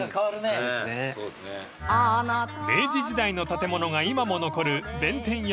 ［明治時代の建物が今も残る］